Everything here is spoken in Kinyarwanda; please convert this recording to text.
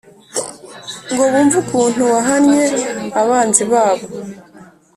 ngo bumve ukuntu wahannye abanzi babo.